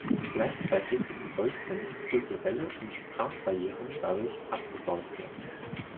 Gleichzeitig sollten kulturelle und Sprachbarrieren dadurch abgebaut werden.